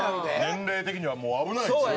年齢的にはもう危ないですから。